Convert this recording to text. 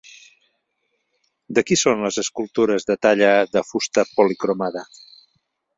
De qui són les escultures de talla de fusta policromada?